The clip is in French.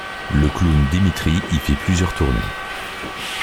Le clown Dimitri y fit plusieurs tournées.